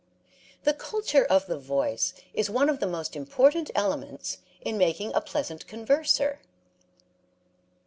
The culture of the voice is one of the most important elements in making a pleasant converser.